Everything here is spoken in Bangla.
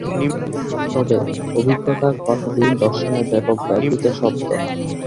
তবে অভিজ্ঞতা কথাটি দর্শনে ব্যাপক ব্যবহৃত শব্দ।